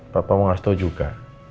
pak tomo harus tau juga